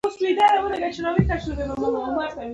د شنو چايو ترموزونه به يو په بل پسې تشېدل.